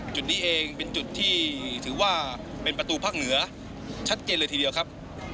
จุดนี้เองเป็นจุดที่ถือว่าเป็นประตูภาคเหนือชัดเจนเลยทีเดียวครับ